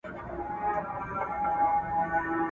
تاریخي کور پخوانی وو د نسلونو ..